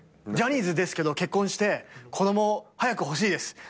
ジャニーズですけど結婚して子供早く欲しいです。